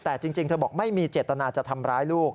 แต่จริงเธอบอกไม่มีเจตนาจะทำร้ายลูก